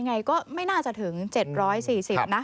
ยังไงก็ไม่น่าจะถึง๗๔๐นะ